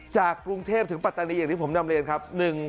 จากกรุงเทพถึงปัตตานีอย่างที่ผมนำเรียนครับ